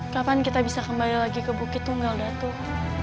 kapan kita bisa kembali lagi ke bukit tunggal datuk